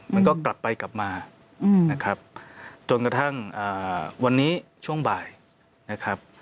มันก็กลับไปกลับมานะครับจนกระทั่งวันนี้ช่วงบ่ายนะครับ